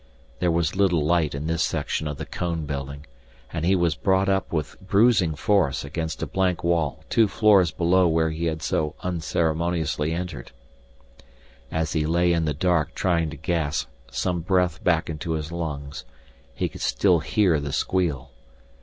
There was little light in this section of the cone building, and he was brought up with bruising force against a blank wall two floors below where he had so unceremoniously entered. As he lay in the dark trying to gasp some breath back into his lungs, he could still hear the squeal.